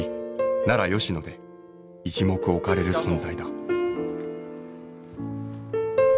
奈良・吉野で一目置かれる存在だ。